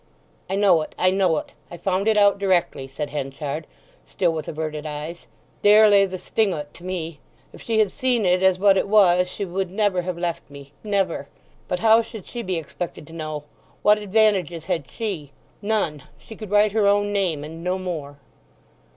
"I know it, I know it. I found it out directly," said Henchard, still with averted eyes. "There lay the sting o't to me. If she had seen it as what it was she would never have left me. Never! But how should she be expected to know? What advantages had she? None. She could write her own name, and no more."